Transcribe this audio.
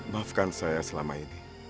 maafkan saya selama ini